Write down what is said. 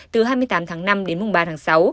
từ hai mươi tám tháng năm đến mùng ba tháng sáu